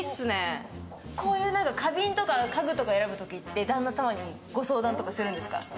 こういう花瓶とか家具とか選ぶときって旦那様にご相談とかするんですか？